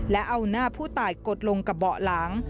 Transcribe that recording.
และเอาหน้าผู้ตายกดลงกับเบาะหลัง